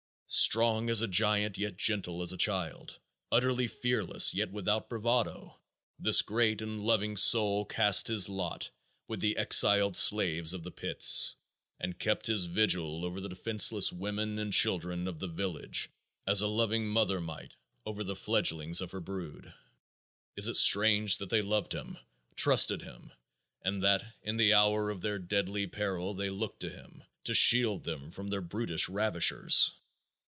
Strong as a giant yet gentle as a child; utterly fearless yet without bravado, this great and loving soul cast his lot with the exiled slaves of the pits and kept his vigil over the defenseless women and children of the village as a loving mother might over the fledglings of her brood. Is it strange that they loved him, trusted him, and that in the hour of their deadly peril they looked to him to shield them from their brutish ravishers?